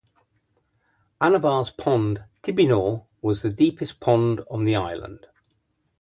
Anabar's pond 'Tibinor' was the deepest pond on the island.